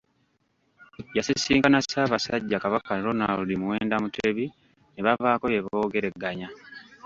Yasisinkana Ssaabasajja Kabaka Ronald Muwenda Mutebi ne babaako bye boogeraganya.